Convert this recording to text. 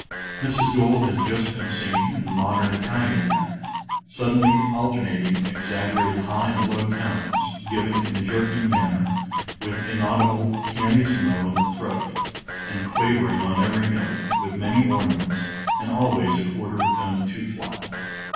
_ (_Mrs. Gold has just been singing in the modern Italian manner; suddenly alternating exaggerated high and low tones, given in a jerking manner, with inaudible pianissimo in the throat, and quavering on every note, with many ornaments, and always a quarter of a tone too flat.